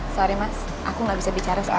sorry mas aku gak bisa bicara sekarang